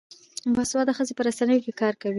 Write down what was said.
باسواده ښځې په رسنیو کې کار کوي.